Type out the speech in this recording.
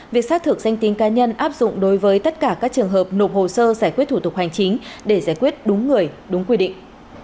việc xác thực danh tin cá nhân áp dụng đối với tất cả các trường hợp nộp hồ sơ giải quyết thủ tục hành chính để giải quyết đúng người đúng quy định